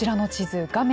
画面